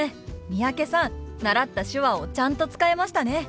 三宅さん習った手話をちゃんと使えましたね。